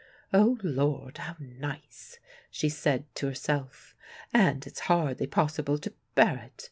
"O Lord, how nice!" she said to herself. "And it's hardly possible to bear it.